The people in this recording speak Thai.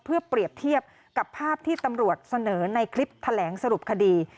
เพื่อเปรียบเทียบกับภาพที่ตำรวจเสนอในคลิปแถลงสรุปคดี